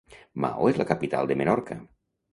Maó és la capital de Menorca.